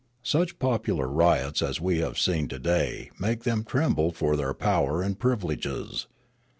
Such popular riots as we have seen to day make them tremble for their power and privi leges.